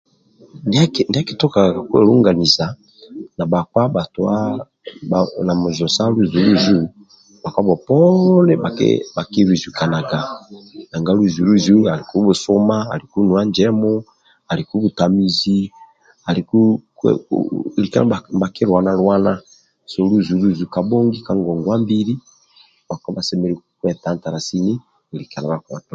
Ndia kitukaga ka kwelunganisa na bakpa muzo sa luzuluzu bakpa beponi bakiluzukanaga luzuluzu aliku busuma aliku nuwa njemu aliku butamizi aliku lika nibha kilwana lwana luzuluzu kambhongi kangongwambili bakpa basemereru kwetantala